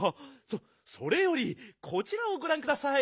そそれよりこちらをごらんください。